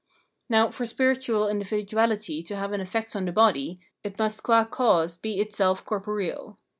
Now, for spiritual individuahty to have an elfect on the body, it must qua cause be itself corporeal.